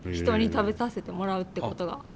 人に食べさせてもらうってことが。